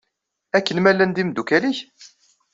Akken ma llan d imeddukal-nnek?